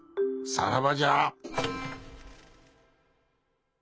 さらばじゃ。